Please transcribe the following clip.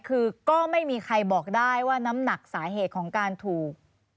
คือก็ไม่มีใครบอกได้ว่าน้ำหนักสาเหตุของการถูก